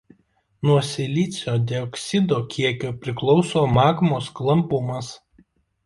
Nuo silicio dioksido kiekio priklauso magmos klampumas.